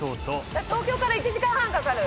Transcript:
東京から１時間半かかる。